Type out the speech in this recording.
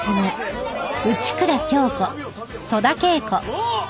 おっ！